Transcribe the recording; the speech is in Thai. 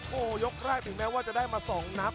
โหยกแรกเหตุแทนแม้ว่าจะได้มันสองนับ